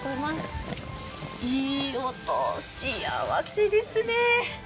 いい音、幸せですね。